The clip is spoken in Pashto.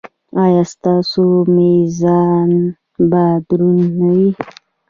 ایا ستاسو میزان به دروند نه وي؟